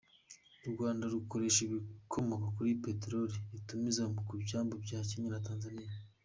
U Rwanda rukoresha ibikomoka kuri peteroli rutumiza ku byambu bya Kenya na Tanzania.